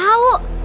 aku udah ngaji